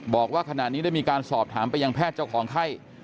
บอกว่าขณะนี้ได้มีการสอบถามไปยังแพทย์เจ้าของไข้